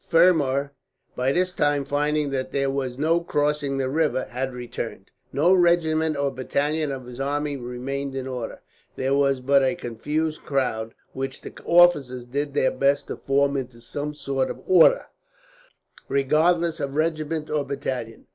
Fermor by this time, finding that there was no crossing the rivers, had returned. No regiment or battalion of his army remained in order. There was but a confused crowd, which the officers did their best to form into some sort of order, regardless of regiment or battalion.